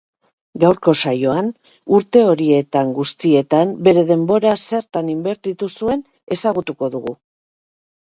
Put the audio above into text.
Gaurko saioan, urte horietan guztietan bere denbora zertan inbertitu zuen ezagutuko dugu.